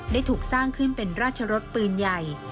ได้ถูกสร้างขึ้นเป็นราชรสปืนใหญ่